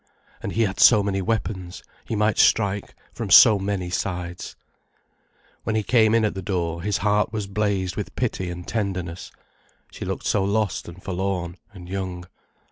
And he had so many weapons, he might strike from so many sides. When he came in at the door, his heart was blazed with pity and tenderness, she looked so lost and forlorn and young.